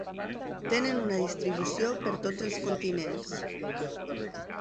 Tenen una distribució per tots els continents.